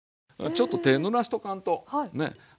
ちょっと手ぬらしとかんとね。